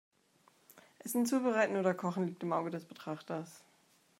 Essen zubereiten oder kochen liegt im Auge des Betrachters.